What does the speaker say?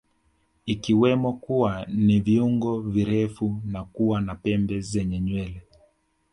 Ikiwemo kuwa na viungo virefu na kuwa na pembe zenye nywele